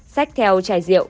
xách theo chai rượu